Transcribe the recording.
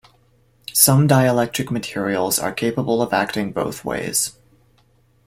Some dielectric materials are capable of acting both ways.